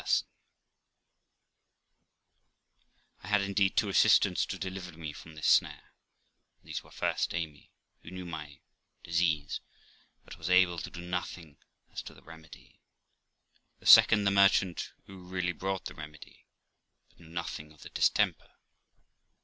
THE LIFE OF ROXANA 335 I had indeed two assistants to deliver me from this snare, and these were, first, Amy, who knew my disease, but was able to do nothing as to the remedy ; the second, the merchant, who really brought the remedy, but knew nothing of the distemper.